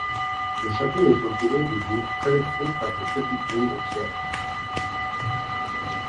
Le château est entouré de douves traversées par de petits ponts de pierres.